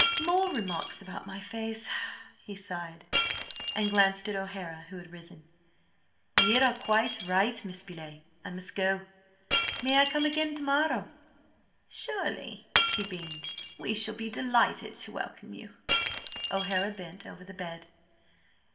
"More remarks about my face!" he sighed, and glanced at O'Hara, who had risen. "You are quite right, Miss Beauleigh, I must go. May I come again to morrow?" "Surely," she beamed. "We shall be delighted to welcome you." O'Hara bent over the bed.